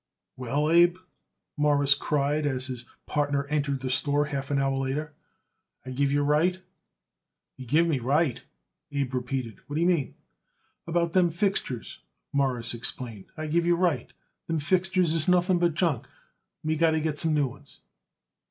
"Well, Abe," Morris cried as his partner entered the store half an hour later, "I give you right." "You give me right?" Abe repeated. "What d'ye mean?" "About them fixtures," Morris explained. "I give you right. Them fixtures is nothing but junk, and we got to get some new ones."